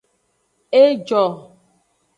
E jo.